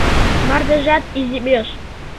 Мардежат иземеш.